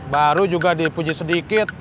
baru juga dipuji sedikit